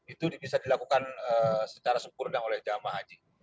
itu bisa dilakukan secara sempurna oleh jamaah haji